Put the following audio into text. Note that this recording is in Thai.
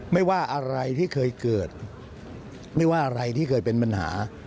ไม่ว่าอะไรที่เคยเกิดไม่ว่าอะไรที่เคยเป็นปัญหา